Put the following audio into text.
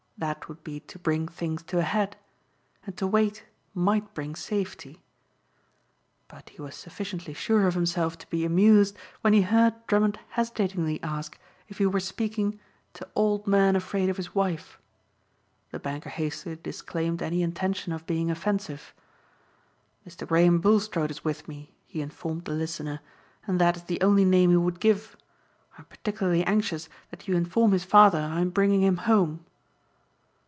That would be to bring things to a head. And to wait might bring safety. But he was sufficiently sure of himself to be amused when he heard Drummond hesitatingly ask if he were speaking to Old Man Afraid of His Wife. The banker hastily disclaimed any intention of being offensive. "Mr. Graham Bulstrode is with me," he informed the listener, "and that is the only name he would give. I am particularly anxious that you inform his father I am bringing him home.